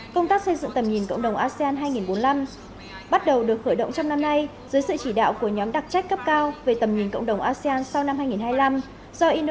công tác xây dựng tầm nhìn cộng đồng asean hai nghìn bốn mươi năm bắt đầu được khởi động trong năm nay dưới sự chỉ đạo của nhóm đặc trách cấp cao về tầm nhìn cộng đồng asean sau năm hai nghìn hai mươi năm do indonesia và malaysia đồng chủ trì